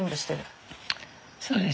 そうですね。